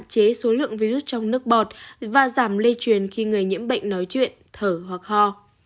hay có khả năng hạn chế số lượng virus trong nước bọt và giảm lây truyền khi người nhiễm bệnh nói chuyện thở hoặc ho